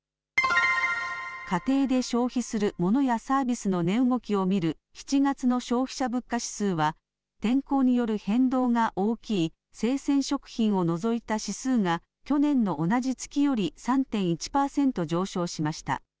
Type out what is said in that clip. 家庭で消費するモノやサービスの値動きを見る７月の消費者物価指数は天候による変動が大きい生鮮食品を除いた指数が去年の同じ月より３．１％上昇しました。